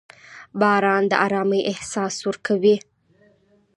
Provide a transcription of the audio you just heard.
• باران د ارامۍ احساس ورکوي.